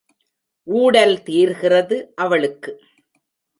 ஊடல் தீர்கிறது அவளுக்கு.